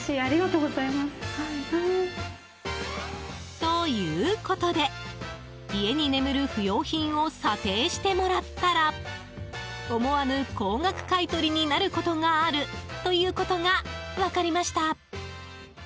ということで、家に眠る不用品を査定してもらったら思わぬ高額買い取りになることがあるということが分かりました。